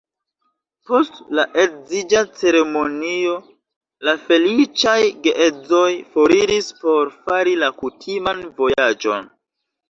Post la edziĝa ceremonio, la feliĉaj geedzoj foriris por fari la kutiman vojaĝon.